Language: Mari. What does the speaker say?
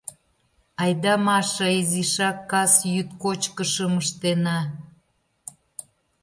— Айда, Маша, изишак кас-йӱд кочкышым ыштена.